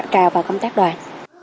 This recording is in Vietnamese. trao và công tác đoàn